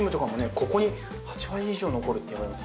ここに８割以上残るっていわれます